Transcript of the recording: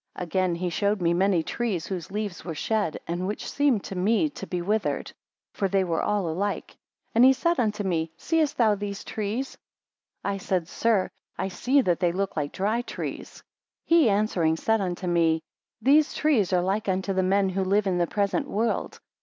AGAIN he showed me many trees whose leaves were shed, and which seemed to me to be withered, for they were all alike. And he said unto me, Seest thou these trees? I said, Sir, I see that they look like dry trees. 2 He answering, said unto me; These trees are like unto the men who live in the present world.